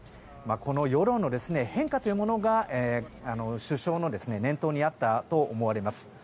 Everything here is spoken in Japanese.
この世論の変化が首相の念頭にあったと思われます。